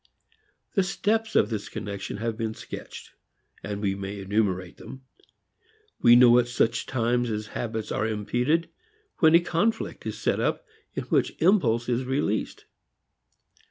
The steps of this connection have been sketched and we may enumerate them. We know at such times as habits are impeded, when a conflict is set up in which impulse is released.